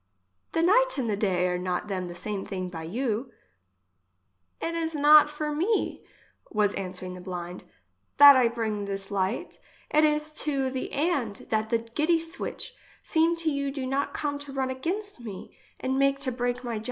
The night and the day are not them the same thing by you !— It is not for me, was answering the blind, that I bring this light, it is to the and that the giddie swhich seem to you do not come to run against mc, and make to break my jar.